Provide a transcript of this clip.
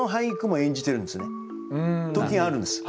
時があるんです。